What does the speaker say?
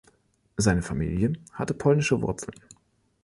Seine Familie hatte polnische Wurzeln.